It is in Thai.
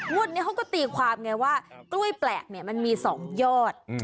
วันนี้เขาก็ตีความไงว่ากล้วยแปลกเนี่ยมันมี๒ยอด